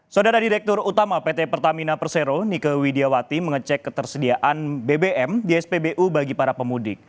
saudara direktur utama pt pertamina persero nike widiawati mengecek ketersediaan bbm di spbu bagi para pemudik